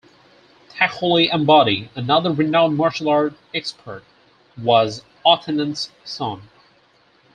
Thacholi Ambadi, another renowned martial arts expert, was Othenan's son.